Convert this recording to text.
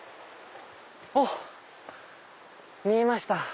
おっ見えました。